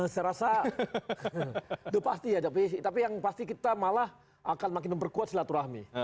saya rasa sudah pasti ya tapi yang pasti kita malah akan makin memperkuat silaturahmi